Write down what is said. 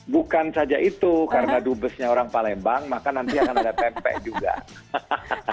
bukan saja itu karena dubesnya orang palembang maka nanti akan ada pempek juga